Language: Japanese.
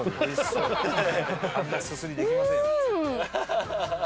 あんなすすりできませんよ。